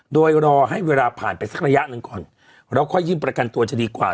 โดยรอให้เวลาผ่านไปสักระยะหนึ่งก่อนแล้วค่อยยิ้มประกันตัวจะดีกว่า